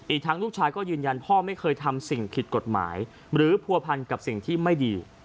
อีกทั้งลูกชายก็ยืนยันพ่อไม่เคยทำสิ่งผิดกฎหมายหรือผัวพันกับสิ่งที่ไม่ดี